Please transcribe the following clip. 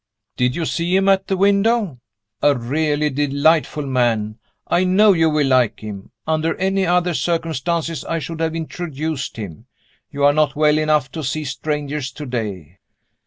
"Did you see him at the window? A really delightful man I know you will like him. Under any other circumstances, I should have introduced him. You are not well enough to see strangers today."